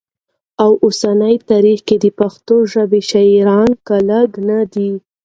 او اوسني تاریخ کي د پښتو ژبې شاعران که لږ نه دي